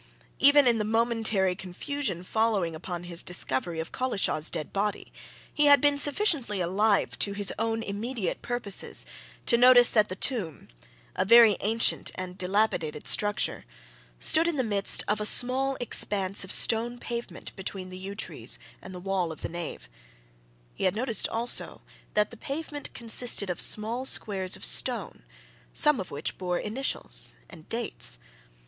Even in the momentary confusion following upon his discovery of Collishaw's dead body, he had been sufficiently alive to his own immediate purposes to notice that the tomb a very ancient and dilapidated structure stood in the midst of a small expanse of stone pavement between the yew trees and the wall of the nave; he had noticed also that the pavement consisted of small squares of stone, some of which bore initials and dates.